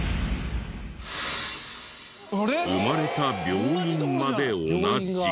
生まれた病院まで同じ。